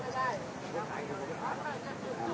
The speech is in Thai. โปรดติดตามต่อไป